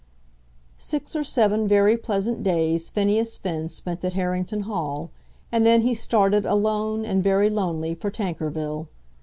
Six or seven very pleasant days Phineas Finn spent at Harrington Hall, and then he started alone, and very lonely, for Tankerville.